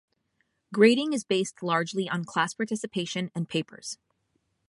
Grading is based largely on class participation and papers.